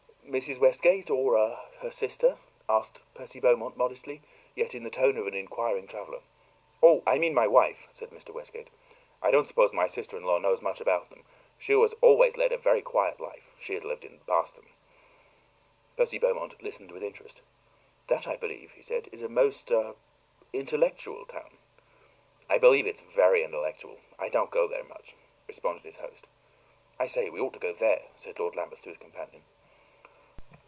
"Mrs. Westgate or a her sister?" asked Percy Beaumont modestly, yet in the tone of an inquiring traveler. "Oh, I mean my wife," said Mr. Westgate. "I don't suppose my sister in law knows much about them. She has always led a very quiet life; she has lived in Boston." Percy Beaumont listened with interest. "That, I believe," he said, "is the most a intellectual town?" "I believe it is very intellectual. I don't go there much," responded his host. "I say, we ought to go there," said Lord Lambeth to his companion.